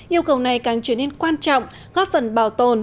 yêu cầu này càng trở nên quan trọng góp phần bảo tồn